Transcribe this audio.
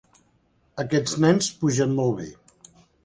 Aquests nens pugen molt bé.